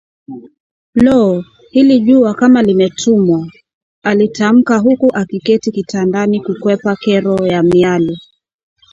“Looh! Hili jua kama limetumwa,” alitamka huku akiketi kitandani kukwepa kero ya miale